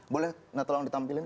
boleh nah tolong ditampilin